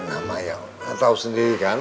nama yang tau sendiri kan